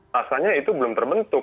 rasanya itu belum terbentuk